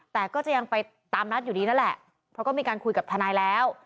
แต่ก็จะยังไปตามนัดอยู่ดีนั่นแหละเพราะก็มีการคุยกับทนายแล้ว